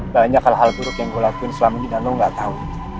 banyak hal hal buruk yang gue lakuin selama ini dan lo gak tahu